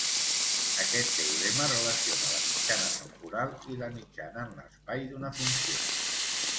Aquest teorema relaciona la mitjana temporal i la mitjana en l'espai d'una funció.